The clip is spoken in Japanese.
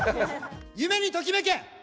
夢にときめけ！